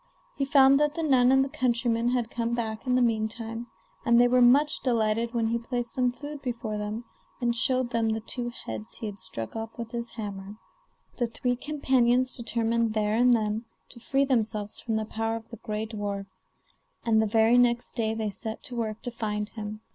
He found that the nun and the countryman had come back in the meantime, and they were much delighted when he placed some food before them, and showed them the two heads he had struck off with his hammer. The three companions determined there and then to free themselves from the power of the gray dwarf, and the very next day they set to work to find him.